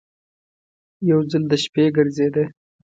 یو ځل د شپې ګرځېده.